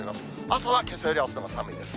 朝はけさよりあしたは寒いです。